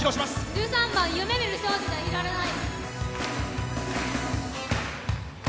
１３番「夢見る少女じゃいられない」。